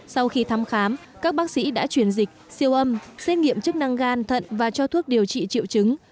sau khi thăm khám các bác sĩ đã truyền dịch siêu âm xét nghiệm chức năng gan thận và cho thuốc điều trị triệu chứng